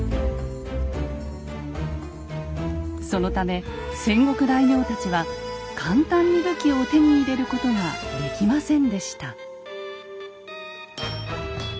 そのため戦国大名たちは簡単に武器を手に入れることができませんでした。